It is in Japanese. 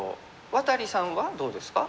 渡利さんはどうですか？